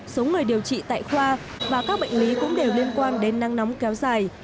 số người điều trị tại khoa và các bệnh lý cũng đều liên quan đến năng nóng kéo dài